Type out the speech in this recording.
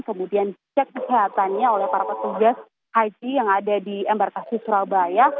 kemudian dicek kesehatannya oleh para petugas haji yang ada di embarkasi surabaya